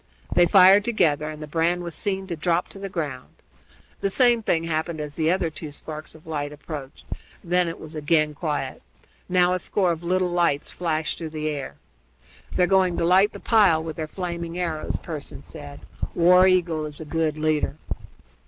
They fired together, and the brand was seen to drop to the ground. The same thing happened as the other two sparks of light approached; then it was again quiet. Now a score of little lights flashed through the air. "They're going to light the pile with their flaming arrows," Pearson said. "War Eagle is a good leader."